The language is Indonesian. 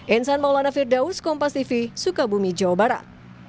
insan maulana firdaus kompas tv sukabumi jawa barat